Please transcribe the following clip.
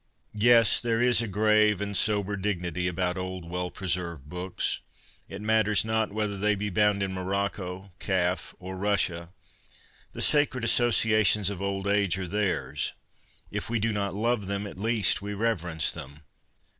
Yes, there is a grave and sober dignity about old well preserved books. It matters not whether they be bound in morocco, calf, or russia. The 40 CONFESSIONS OF A BOOK LOVER sacred associations of old age are theirs. If we do not love them, at least we reverence them.